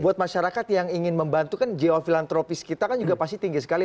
buat masyarakat yang ingin membantu kan jiwa filantropis kita kan juga pasti tinggi sekali